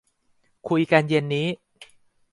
คุยกันเย็นนี้